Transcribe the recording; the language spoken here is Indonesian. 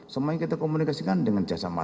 semuanya kita komunikasikan dengan jtb